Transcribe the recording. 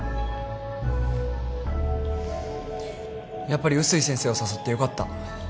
やっぱり碓井先生を誘ってよかった。